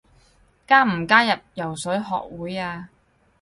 加唔加入游水學會啊？